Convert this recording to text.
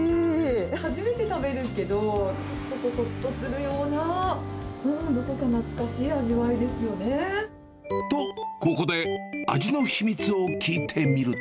初めて食べるんですけど、ほっとするような、どこか懐かしい味わと、ここで味の秘密を聞いてみると。